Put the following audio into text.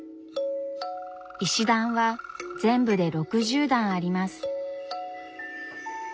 石段は全部で６０段あります。